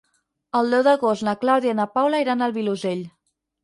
El deu d'agost na Clàudia i na Paula iran al Vilosell.